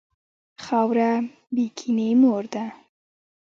خاوره بېکینه مور ده.